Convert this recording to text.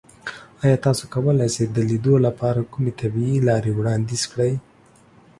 ایا تاسو کولی شئ د لیدو لپاره کومې طبیعي لارې وړاندیز کړئ؟